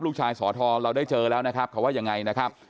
สอทรเราได้เจอแล้วนะครับเขาว่ายังไงนะครับ